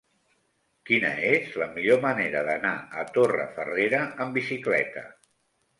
Quina és la millor manera d'anar a Torrefarrera amb bicicleta?